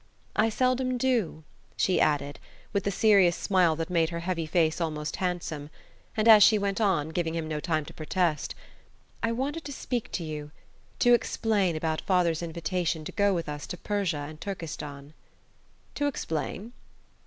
"I seldom do," she added, with the serious smile that made her heavy face almost handsome; and she went on, giving him no time to protest: "I wanted to speak to you to explain about father's invitation to go with us to Persia and Turkestan." "To explain?"